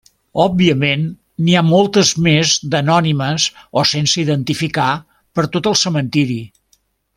Òbviament, n'hi ha moltes més d'anònimes o sense identificar per tot el cementiri.